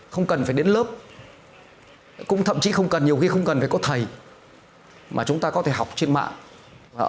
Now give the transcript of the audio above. không cần phải đến lớp cũng thậm chí không cần nhiều khi không cần phải có thầy mà chúng ta có thể học trên mạng